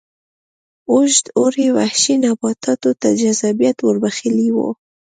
اوږد اوړي وحشي نباتاتو ته جذابیت ور بخښلی و.